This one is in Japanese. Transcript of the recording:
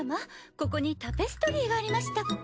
ここにタペストリーがありましたっけ？